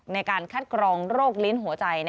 ในการคัดกรองโรคลิ้นหัวใจ